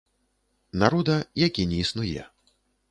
Народа, які не існуе.